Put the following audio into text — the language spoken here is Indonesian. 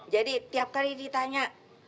jadi tiap kali ditanya